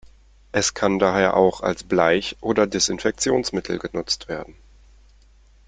Es kann daher auch als Bleich- oder Desinfektionsmittel genutzt werden.